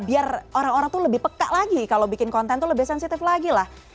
biar orang orang tuh lebih peka lagi kalau bikin konten itu lebih sensitif lagi lah